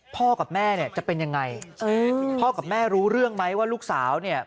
พ่อกับแม่เนี่ยจะเป็นยังไงพ่อกับแม่รู้เรื่องไหมว่าลูกสาวเนี่ย